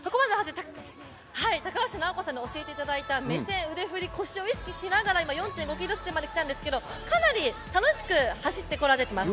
高橋尚子さんに教えていただいた目線、腕振り、腰を意識しながら、今４．５ｋｍ地点まで来れたんですけどかなり楽しく走ってこられてます。